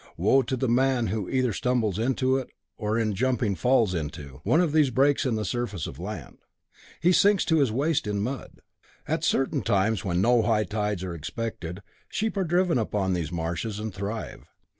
Woe to the man who either stumbles into, or in jumping falls into, one of these breaks in the surface of land. He sinks to his waist in mud. At certain times, when no high tides are expected, sheep are driven upon these marshes and thrive.